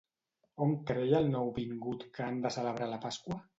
On creia el nouvingut que han de celebrar la Pasqua?